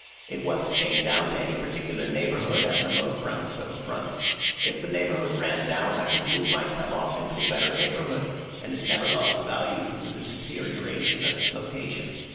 It wasn't chained down to any particular neighborhood, as are most brownstone fronts. If the neighborhood ran down, I could move my tub off into a better neighborhood, and it never lost value through the deterioration of its location.